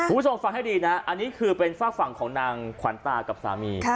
คุณผู้ชมฟังให้ดีนะอันนี้คือเป็นฝากฝั่งของนางขวัญตากับสามี